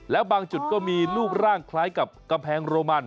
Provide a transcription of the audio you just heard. แล้วบางจุดก็มีรูปร่างคล้ายกับกำแพงโรมัน